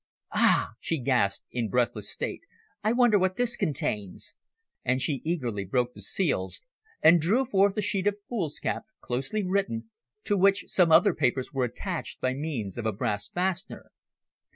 "Ah!" she gasped in breathless haste. "I wonder what this contains?" And she eagerly broke the seals, and drew forth a sheet of foolscap closely written, to which some other papers were attached by means of a brass fastener.